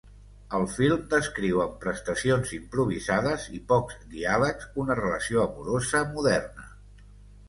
El film descriu amb prestacions improvisades i pocs diàlegs, una relació amorosa moderna.